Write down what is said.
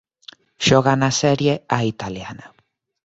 Xoga na Serie A italiana.